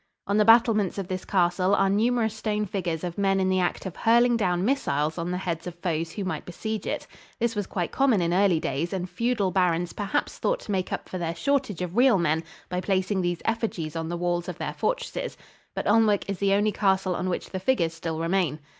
On the battlements of this castle are numerous stone figures of men in the act of hurling down missiles on the heads of foes who might besiege it. This was quite common in early days and feudal barons perhaps thought to make up for their shortage of real men by placing these effigies on the walls of their fortresses, but Alnwick is the only castle on which the figures still remain.